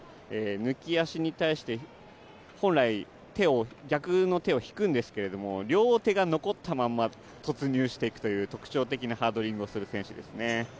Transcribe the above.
抜き足に対して本来、逆の手を引くんですけど、両手が残ったまま突入していくという特徴的なハードリングをする選手ですね。